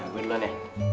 gue duluan ya